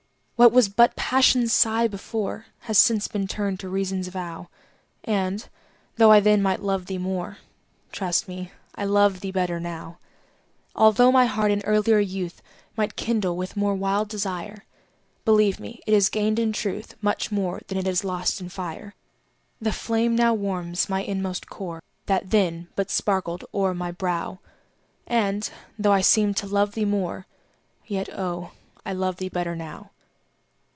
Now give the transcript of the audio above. What was but Passion's sigh before, Has since been turned to Reason's vow; And, though I then might love thee more, Trust me, I love thee better now. Altho' my heart in earlier youth Might kindle with more wild desire, Believe me, it has gained in truth Much more than it has lost in fire. The flame now warms my inmost core, That then but sparkled o'er my brow, And, though I seemed to love thee more, Yet, oh, I love thee better now.